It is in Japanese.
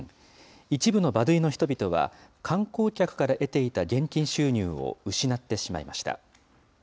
一部のバドゥイの人々は、観光客から得ていた現金収入を失ってしまいました。